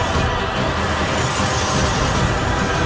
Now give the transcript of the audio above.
maka dia mencari mati